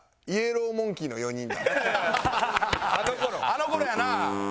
あの頃やな。